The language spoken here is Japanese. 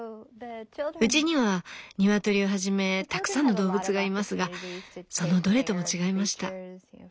うちにはニワトリをはじめたくさんの動物がいますがそのどれとも違いました。